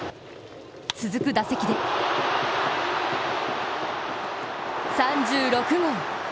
続く打席で３６号。